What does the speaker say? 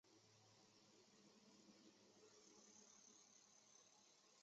马尔赛人口变化图示